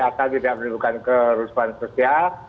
asal tidak menimbulkan kerusuhan sosial